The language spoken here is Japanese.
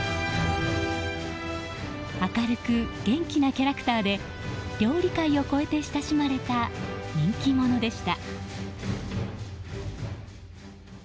明るく元気なキャラクターで料理界を超えて親しまれた人気者でした。